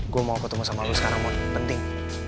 gue mau ketemu sama lu sekarang mon penting